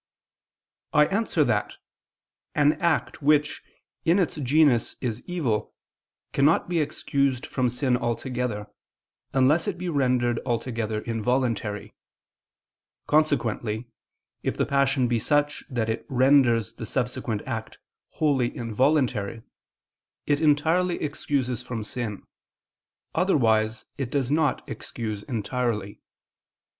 I answer that, An act which, in its genus, is evil, cannot be excused from sin altogether, unless it be rendered altogether involuntary. Consequently, if the passion be such that it renders the subsequent act wholly involuntary, it entirely excuses from sin; otherwise, it does not excuse entirely.